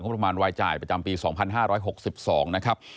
ประมาณรายจ่ายประจำปี๒๕๖๒นะครับ